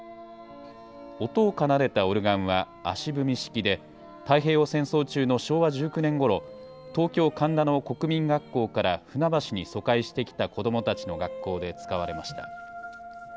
音を奏でたオルガンは足踏み式で、太平洋戦争中の昭和１９年ごろ、東京・神田の国民学校から船橋に疎開してきた子どもたちの学校で使われました。